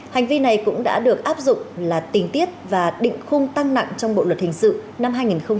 hành vi này cũng đã được áp dụng là tình tiết và định khung tăng nặng trong bộ luật hình sự năm hai nghìn một mươi năm